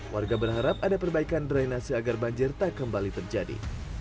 warga berharap ada perbaikan drainase agar banjir tak kembali terjadi